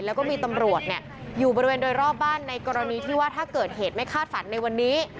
แล้วก็มีตำรวจอยู่บริเวณโดยรอบบ้านในกรณีที่ว่าถ้าเกิดเหตุไม่คาดฝันในวันนี้